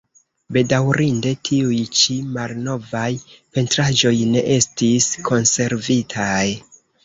Bedaŭrinde tiuj ĉi malnovaj pentraĵoj ne estis konservitaj.